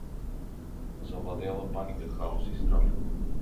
Завладеала паника, хаос и страв.